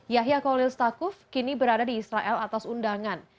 yahya khalil stakuf kini berada di israel atas undangan